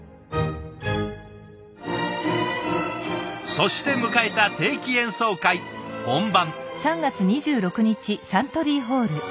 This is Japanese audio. そして迎えた定期演奏会本番。